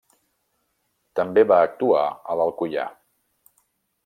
També va actuar a l'Alcoià.